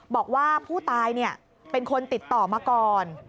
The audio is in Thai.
บอกว่าผู้ตายเป็นคนติดต่อมาก่อน